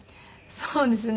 そうですね。